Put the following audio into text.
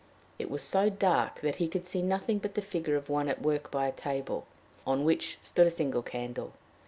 It was so dark that he could see nothing but the figure of one at work by a table, on which stood a single candle.